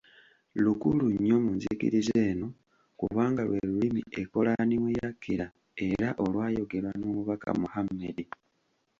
Lukulu nnyo mu nzikiriza eno kubanga lwe lulimi ekkolaani mwe yakkira era olwayogerwa n'omubaka Mohammed.